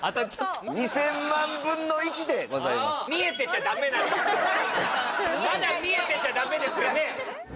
まだ見えてちゃダメですよね？